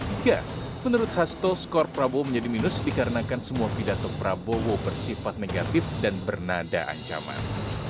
tiga menurut hasto skor prabowo menjadi minus dikarenakan semua pidato prabowo bersifat negatif dan bernada ancaman